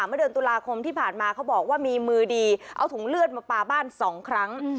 เมื่อเดือนตุลาคมที่ผ่านมาเขาบอกว่ามีมือดีเอาถุงเลือดมาปลาบ้านสองครั้ง